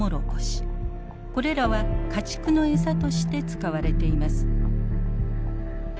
これらは家畜のエサとして使われています。